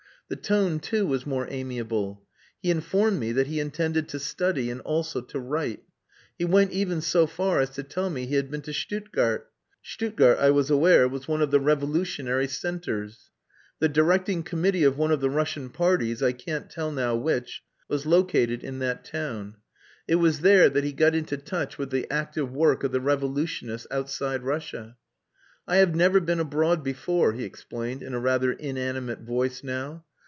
The tone, too, was more amiable. He informed me that he intended to study and also to write. He went even so far as to tell me he had been to Stuttgart. Stuttgart, I was aware, was one of the revolutionary centres. The directing committee of one of the Russian parties (I can't tell now which) was located in that town. It was there that he got into touch with the active work of the revolutionists outside Russia. "I have never been abroad before," he explained, in a rather inanimate voice now.